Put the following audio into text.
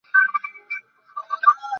আমি চোখ মেলে রাখব, কখনও সুযোগ হারাব না।